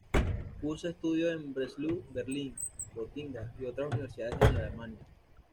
Cursa estudios en Breslau, Berlín, Gotinga y otras universidades de Alemania.